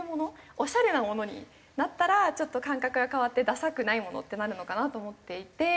オシャレなものになったらちょっと感覚が変わってダサくないものってなるのかなと思っていて。